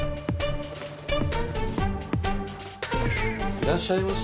いらっしゃいます？